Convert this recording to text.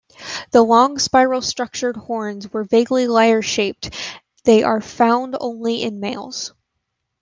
The long, spiral-structured horns are vaguely lyre-shaped, they are found only in males.